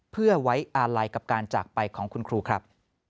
เพื่อไว้อาลัยกับการจากไปของคุณครูครับ